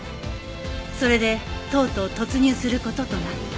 それでとうとう突入する事となった